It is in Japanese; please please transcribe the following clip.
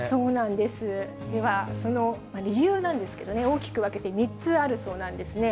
では、その理由なんですけどね、大きく分けて３つあるそうなんですね。